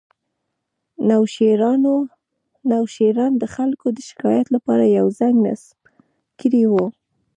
نوشیروان د خلکو د شکایت لپاره یو زنګ نصب کړی و